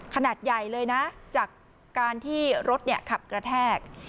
ขนาดใหญ่เลยนะจากการที่รถขับกระแทก